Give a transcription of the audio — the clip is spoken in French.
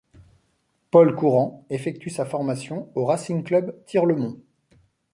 Paul Courant effectue sa formation au Racing Club Tirlemont.